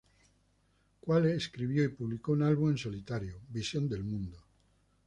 Quale escribió y publicó un álbum en solitario,"visión del mundo".